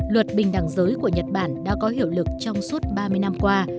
luật bình đẳng giới của nhật bản đã có hiệu lực trong suốt ba mươi năm qua